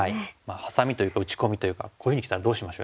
ハサミというか打ち込みというかこういうふうにきたらどうしましょう？